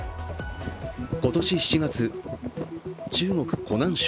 今年７月、中国・湖南省。